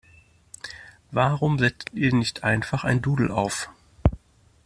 Warum setzt ihr nicht einfach ein Doodle auf?